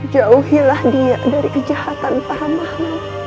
jauhilah dia dari kejahatan para mahmu